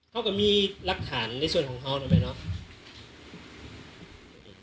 เขาก็มีรักฐานในส่วนของเขาทำไมเนาะ